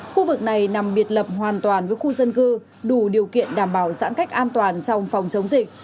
khu vực này nằm biệt lập hoàn toàn với khu dân cư đủ điều kiện đảm bảo giãn cách an toàn trong phòng chống dịch